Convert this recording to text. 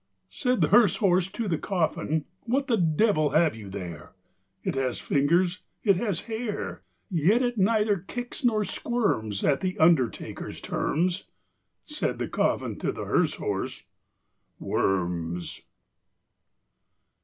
Said the hearse horse to the coffin, "What the devil have you there? It has fingers, it has hair; Yet it neither kicks nor squirms At the undertaker's terms." Said the coffin to the hearse horse, "Worms!"